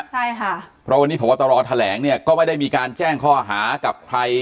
ใช่ค่ะเพราะวันนี้พบตรแถลงเนี่ยก็ไม่ได้มีการแจ้งข้อหากับใคร